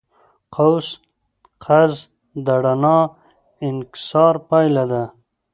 قوس قزح د رڼا د انکسار پایله ده.